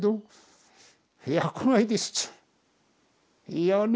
いやね